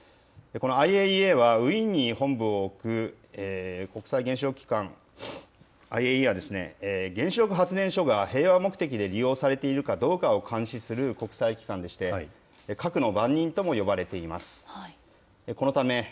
このＩＡＥＡは、ウィーンに本部を置く国際原子力機関・ＩＡＥＡはですね、原子力発電所が平和目的で利用されているかを監視する国際機関でして、核の番人とも呼ばれています。